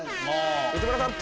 内村さん。